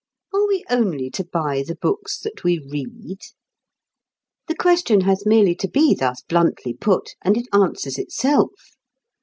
Are we only to buy the books that we read? The question has merely to be thus bluntly put, and it answers itself.